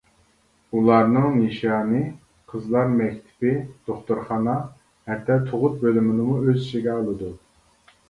ئۇلارنىڭ نىشانى قىزلار مەكتىپى، دوختۇرخانا ھەتتا تۇغۇت بۆلۈمىنىمۇ ئۆز ئىچىگە ئالىدۇ.